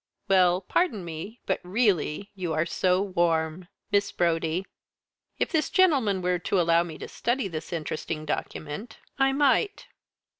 "Well pardon me but really, you are so warm. Miss Brodie. If this gentleman were to allow me to study this interesting document, I might."